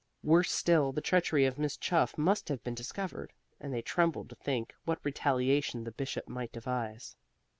Worse still, the treachery of Miss Chuff must have been discovered, and they trembled to think what retaliation the Bishop might devise.